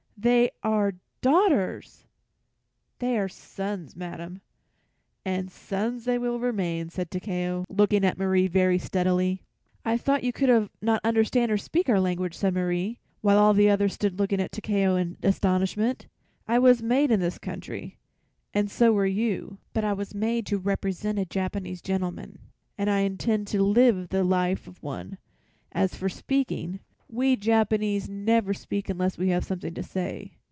They are daughters!" "They are sons, madam, and sons they will remain!" said Takeo, looking at Marie very steadily. "I thought you could not understand or speak our language," said Marie, while all the others stood looking at Takeo in astonishment. "I was made in this country, and so were you; but I was made to represent a Japanese gentleman and I intend to live the life of one. As for speaking, we Japanese never speak unless we have something to say.